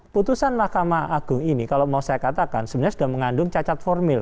putusan mahkamah agung ini kalau mau saya katakan sebenarnya sudah mengandung cacat formil